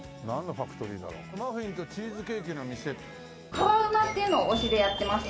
「かわうま」っていうのを推しでやってまして。